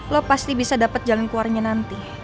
lo pasti bisa dapat jalan keluarnya nanti